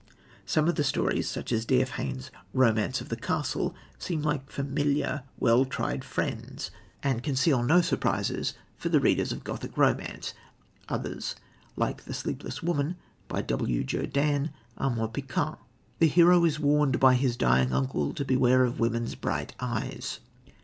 Some of the stories, such as D.F. Hayne's Romance of the Castle, seem like familiar, well tried friends, and conceal no surprises for the readers of Gothic romance. Others, like The Sleepless Woman, by W. Jerdan, are more piquant. The hero is warned by his dying uncle to beware of women's bright eyes.